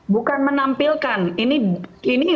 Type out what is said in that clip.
bukan menampilkan ini